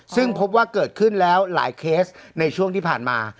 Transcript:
ซึ่งพบว่าเกิดขึ้นแล้วหลายเคสในช่วงที่ผ่านมา